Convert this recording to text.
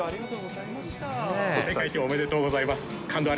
世界一おめでとうございます。